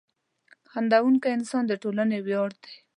• خندېدونکی انسان د ټولنې ویاړ دی.